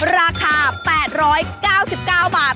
ราคา๘๙๙บาท